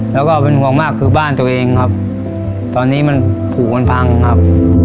แล้วก็เป็นห่วงมากคือบ้านตัวเองครับตอนนี้มันผูกมันพังครับ